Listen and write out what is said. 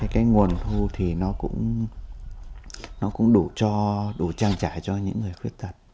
cái nguồn thu thì nó cũng đủ trang trải cho những người khuyết tật